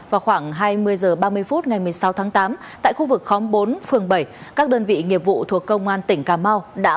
vào khoảng hai mươi h ba mươi phút ngày một mươi sáu tháng tám tại khu vực khóm bốn phường bảy các đơn vị nghiệp vụ thuộc công an tỉnh cà mau đã